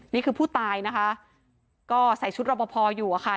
นี่คือผู้ตายนะคะก็ใส่ชุดรอบพออยู่อะค่ะ